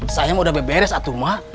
sayang udah beres atuh mak